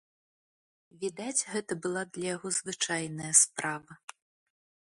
Відаць, гэта была для яго звычайная справа.